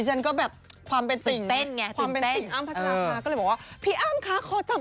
ใจความเป็นติ่งของคุณอ้ามครับ